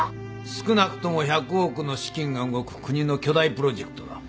少なくとも１００億の資金が動く国の巨大プロジェクトだ。